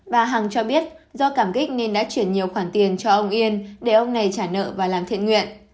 bà hằng cho biết do cảm kích nên đã chuyển nhiều khoản tiền cho ông yên để ông này trả nợ và làm thiện nguyện